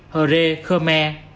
hờ rê khơ me